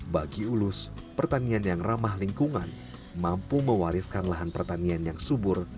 bagi ulus pertanian yang ramah lingkungan mampu mewariskan lahan pertanian yang subur